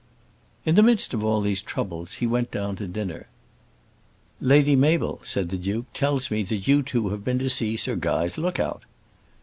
In the midst of all these troubles he went down to dinner. "Lady Mabel," said the Duke, "tells me that you two have been to see Sir Guy's look out."